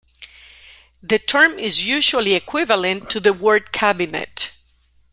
The term is usually equivalent to the word "cabinet".